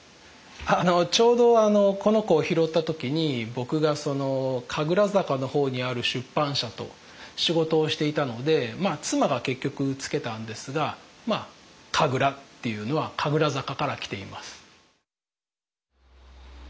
ちょうどこの子を拾った時に僕が神楽坂の方にある出版社と仕事をしていたのでまあ妻が結局付けたんですがまあカグラっていうのは神楽坂から来ています。